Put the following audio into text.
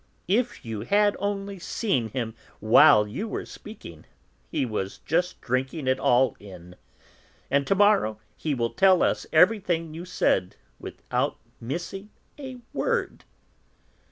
If you had only seen him while you were speaking; he was just drinking it all in. And to morrow he will tell us everything you said, without missing a word."